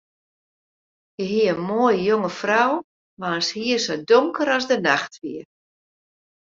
Hy hie in moaie, jonge frou waans hier sa donker as de nacht wie.